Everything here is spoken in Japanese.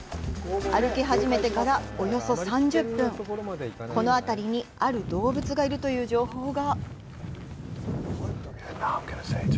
歩き始めてからおよそ３０分このあたりにある動物がいるという情報が。